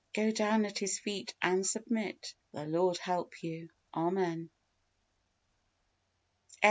Go down at His feet and submit. The Lord help you! Amen.